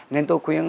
nên tôi khuyên